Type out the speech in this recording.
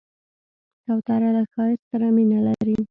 کوتره له ښایست سره مینه لري.